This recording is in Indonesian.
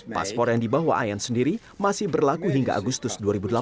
paspor yang dibawa ayan sendiri masih berlaku hingga agustus dua ribu delapan belas